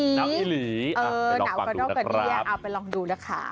เออน้าวกับนอกกับเยี่ยมเอาไปลองดูล่ะค่ะ